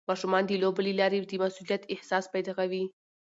ماشومان د لوبو له لارې د مسؤلیت احساس پیدا کوي.